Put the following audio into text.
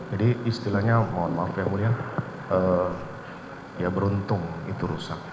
jadi istilahnya mohon maaf yang mulia ya beruntung itu rusak